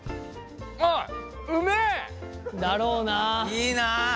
いいなあ。